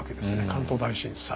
関東大震災。